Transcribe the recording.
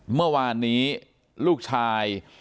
เมื่อวานนี้ลูกชาย